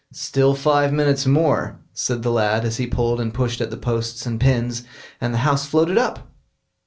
"Still five minutes more", said the lad, as he pulled and pushed at the posts and pins, and the house floated up.